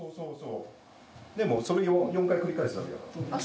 でもそれを４回繰り返すだけだから。